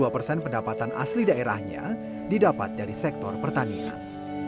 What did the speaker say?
dua puluh dua persen pendapatan asli daerahnya didapat dari sektor pertanian